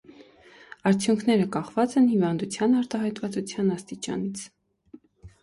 Արդյունքները կախված են հիվանդության արտահայտվածության աստիճանից։